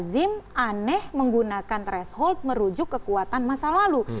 ini tidak lazim aneh menggunakan threshold merujuk kekuatan masa lalu